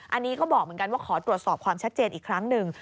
อันนี้ก็บอกเหมือนกันว่าขอตรวจสอบความชัดเจนอีกครั้งหนึ่ง